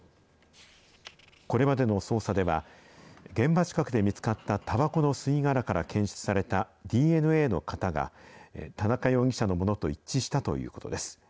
これまでの捜査では、現場近くで見つかったたばこの吸い殻から検出されたＤＮＡの型が、田中容疑者のものと一致したということです。